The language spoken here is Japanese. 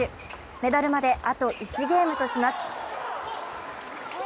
メダルまであと１ゲームとします。